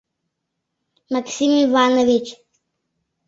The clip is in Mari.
МАКСИМ ИВАНОВИЧ